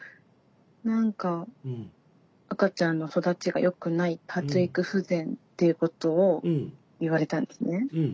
何か赤ちゃんの育ちがよくない発育不全ということを言われたんですね。